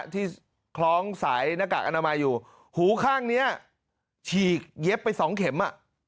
คล้องสายหน้ากากอนามัยอยู่หูข้างนี้ฉีกเย็บไปสองเข็ม